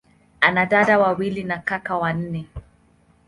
Ana dada wawili na kaka wanne.